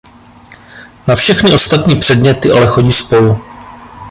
Na všechny ostatní předměty ale chodí spolu.